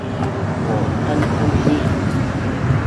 Khổ thân con Nhi